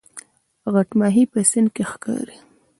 غټ ماهی په سیند کې ښکاري